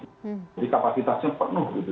jadi kapasitasnya penuh gitu